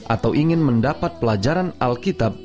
atau ingin mendapat pelajaran alkitab